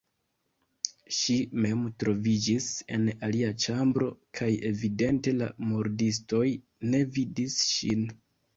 Ŝi mem troviĝis en alia ĉambro kaj evidente la murdistoj ne vidis ŝin.